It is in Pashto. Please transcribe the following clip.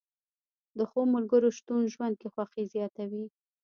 د ښو ملګرو شتون ژوند کې خوښي زیاتوي